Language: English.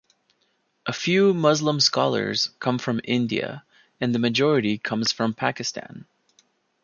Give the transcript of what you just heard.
A few Muslim scholars come from India, and the majority comes from Pakistan.